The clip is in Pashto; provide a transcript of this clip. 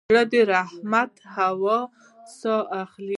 زړه د رحمت هوا ساه اخلي.